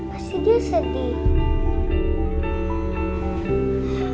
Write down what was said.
pasti dia sedih